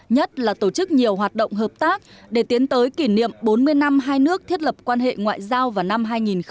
nhất là tổ chức nhiều hoạt động hợp tác để tiến tới kỷ niệm bốn mươi năm hai nước thiết lập quan hệ ngoại giao vào năm hai nghìn hai mươi